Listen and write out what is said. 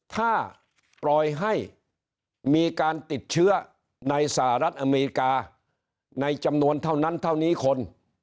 ถ้าปล่อยให้มีการติดเชื้อในสหรัฐอเมริกาในจำนวนเท่านั้นเท่านี้คน